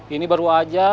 ini baru aja